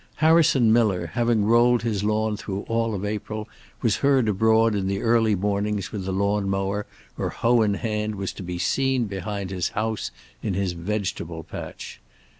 Harrison Miller, having rolled his lawn through all of April, was heard abroad in the early mornings with the lawn mower or hoe in hand was to be seen behind his house in his vegetable patch.